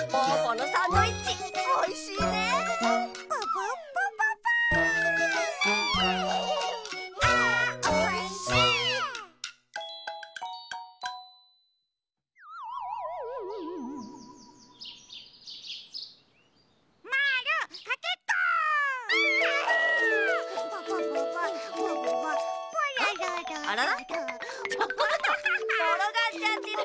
ころがっちゃってるじゃない。